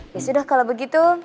ya sudah kalau begitu